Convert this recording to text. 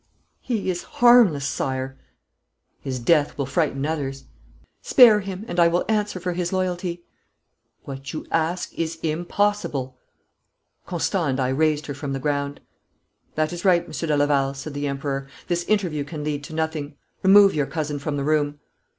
'He is harmless, Sire.' 'His death will frighten others.' 'Spare him and I will answer for his loyalty.' 'What you ask is impossible.' Constant and I raised her from the ground. 'That is right, Monsieur de Laval,' said the Emperor. 'This interview can lead to nothing. Remove your cousin from the room!'